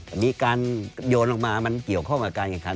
อันนี้การโยนลงมามันเกี่ยวข้องกับการแข่งขัน